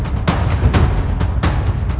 ตอนที่สุดมันกลายเป็นสิ่งที่ไม่มีความคิดว่า